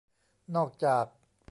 นอกจาก